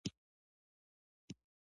ښامار چې راورسېد پر مومن خان یې حمله وکړه.